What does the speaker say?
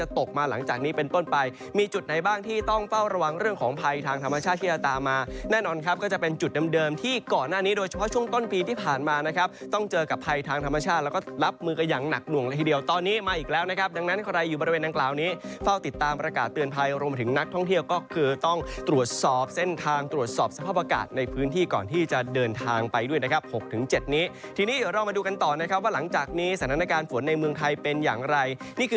ตกมาหลังจากนี้เป็นต้นไปมีจุดไหนบ้างที่ต้องเฝ้าระวังเรื่องของภัยทางธรรมชาติที่จะตามมาแน่นอนครับก็จะเป็นจุดเดิมที่ก่อนหน้านี้โดยเฉพาะช่วงต้นปีที่ผ่านมานะครับต้องเจอกับภัยทางธรรมชาติแล้วก็รับมืออย่างหนักหน่วงเลยทีเดียวตอนนี้มาอีกแล้วนะครับดังนั้นใครอยู่บริเวณดังกล่าวนี้เฝ้าติ